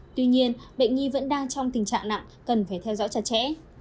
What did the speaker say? tuy nhiên bệnh nhi vẫn đang trong tình trạng nặng cần phải theo dõi chặt chẽ